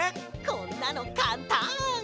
こんなのかんたん！